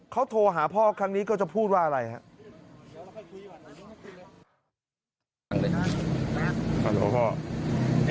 เขาโทรหาพ่อครั้งนี้ก็จะพูดว่าอะไรครับ